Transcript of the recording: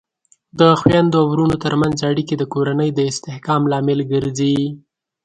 د خویندو او ورونو ترمنځ اړیکې د کورنۍ د استحکام لامل ګرځي.